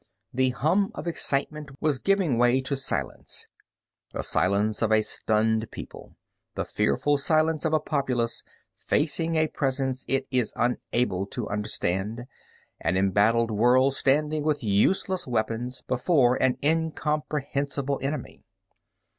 The hum of excitement was giving away to a silence, the silence of a stunned people, the fearful silence of a populace facing a presence it is unable to understand, an embattled world standing with useless weapons before an incomprehensible enemy.